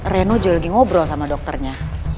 reno juga lagi ngobrol sama dokternya